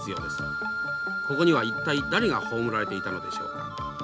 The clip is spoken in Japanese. ここには一体誰が葬られていたのでしょう。